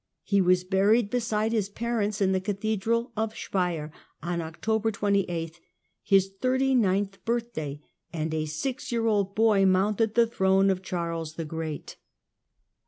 He was buried beside his parents in the cathedral at Speier, on October 28, his thirty ninth birthday, and a six year old boy mounted the throne of Charles the Great.